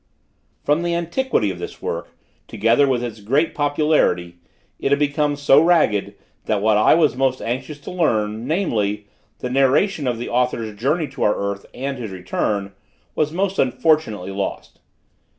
From the antiquity of this work together with its great popularity, it had become so ragged, that what I was most anxious to learn, namely, the narration of the author's journey to our earth and his return, was most unfortunately lost.